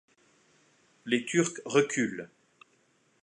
Les turcs reculent.